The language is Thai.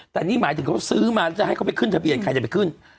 แต่นี่หมายถึงเขาซื้อมาแล้วจะให้เขาไปขึ้นทะเบียนใครจะไปขึ้น